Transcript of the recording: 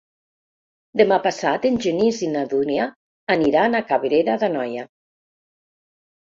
Demà passat en Genís i na Dúnia aniran a Cabrera d'Anoia.